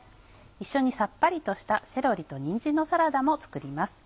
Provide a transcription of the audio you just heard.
一緒にさっぱりとした「セロリとにんじんのサラダ」も作ります。